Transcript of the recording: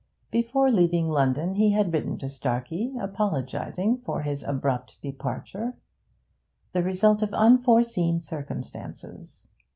Before leaving London he had written to Starkey, apologising for his abrupt departure, 'The result of unforeseen circumstances.'